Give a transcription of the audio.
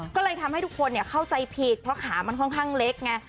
ก็เลยทำให้ทุกคนเข้าใจผิดเพราะขามันค่อนข้างเล็กไง